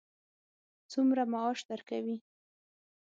څومره معاش درکوي.